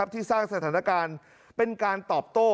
ที่สร้างสถานการณ์เป็นการตอบโต้